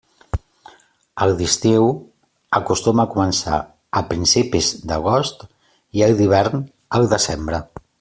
El d'estiu acostuma a començar a principis d'agost i el d'hivern, el desembre.